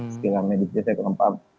sekilas medisnya saya kelompok